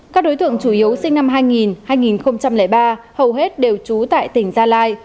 các đối tượng chủ yếu sinh năm hai nghìn ba hầu hết đều trú tại tỉnh gia lai